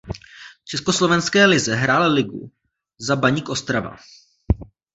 V československé lize hrál ligu za Baník Ostrava.